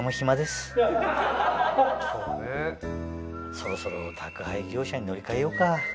そろそろ宅配業者に乗り換えようか。